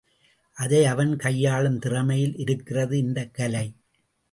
அதை அவன் கையாளும் திறமையில் இருக்கிறது இந்தக் கலை.